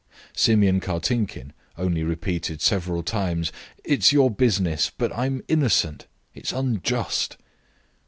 Simeon Kartinkin only repeated several times: "It is your business, but I am innocent; it's unjust."